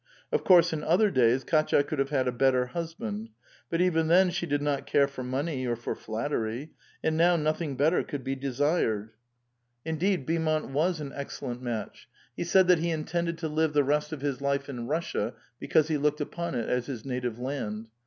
Of course in other days Kdtya could have had a better husband. But even then she did not care for money or for flattery. And now nothing better could be desired." A VITAL QUESTION. 431 Indeed, Beaumont was an excellent match. He said that he intended to live the rest of his life in Kussia because he looked upon it as his native land.